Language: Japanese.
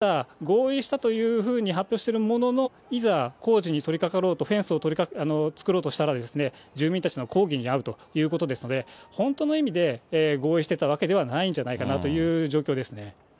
ただ、合意したというふうに発表してるものの、いざ、工事に取りかかろうと、フェンスを作ろうとしたら、住民たちの抗議に遭うということですので、本当の意味で、合意してたわけじゃないんじゃないかという状況ですね。